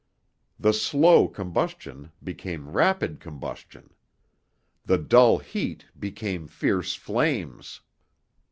The slow combustion became rapid combustion. The dull heat became fierce flames.